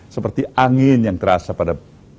seperti angin yang terasa pada